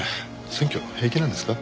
選挙平気なんですか？